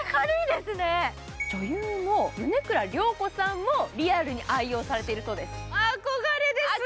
女優の米倉涼子さんもリアルに愛用されているそうです。